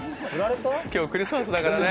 今日クリスマスだからね。